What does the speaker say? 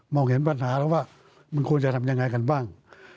เห็นปัญหาแล้วว่ามันควรจะทำยังไงกันบ้าง